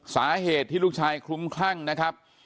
สาเหตุที่ลูกชายคลุ้มคลั่งนะครับ